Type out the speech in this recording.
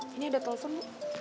bu ini ada telepon